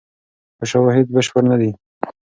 خو شواهد بشپړ نه دي.